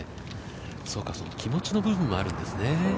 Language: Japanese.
そうか、気持ちの部分もあるんですね。